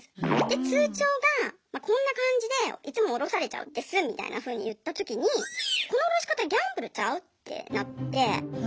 で「通帳がこんな感じでいつもおろされちゃうんです」みたいなふうに言った時に「このおろし方ギャンブルちゃう？」ってなって。